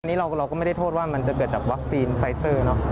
อันนี้เราก็ไม่ได้โทษว่ามันจะเกิดจากวัคซีนไฟเซอร์เนอะ